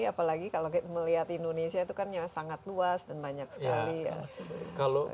apalagi kalau melihat indonesia itu kan yang sangat luas dan banyak sekali